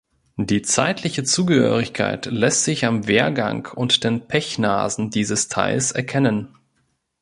Die zeitliche Zugehörigkeit lässt sich am Wehrgang und den Pechnasen dieses Teils erkennen.